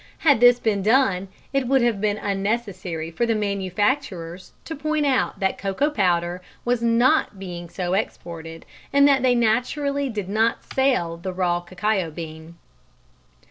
Had this been done, it would have been unnecessary for the manufacturers to point out that cocoa powder was not being so exported, and that they naturally did not sell the raw cacao bean.